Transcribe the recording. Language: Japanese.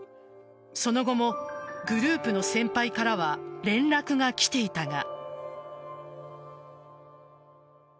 その後もグループの先輩からは連絡が来ていたが。